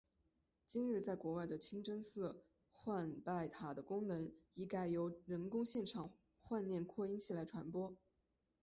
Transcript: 今日在国外的清真寺唤拜塔的功能已改由人工现场唤念扩音器来传播。